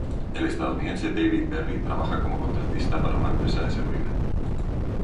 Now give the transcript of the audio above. El estadounidense, David Berry, trabajaba como contratista para una empresa de seguridad.